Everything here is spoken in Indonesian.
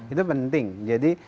itu penting jadi